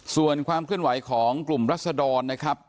ส่วนความเคลื่อนไหวของกลุ่มรัศดรนะครับ